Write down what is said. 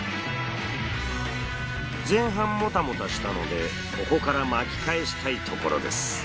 前半モタモタしたのでここから巻き返したいところです。